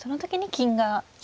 金が。